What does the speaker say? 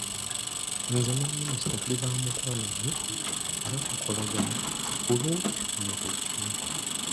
Nze ne minisita tuli baamukwano nnyo era tukolagana bulungi mu buli kimu.